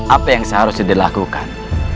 apa yang seharusnya dilakukan